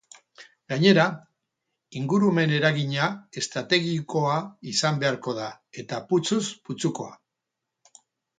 Gainera, ingurumen-eragina estrategikoa izan beharko da, ez putzuz putzukoa.